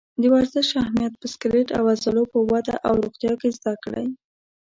د ورزش اهمیت په سکلیټ او عضلو په وده او روغتیا کې زده کړئ.